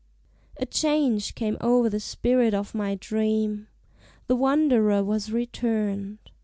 A change came o'er the spirit of my dream. The wanderer was returned.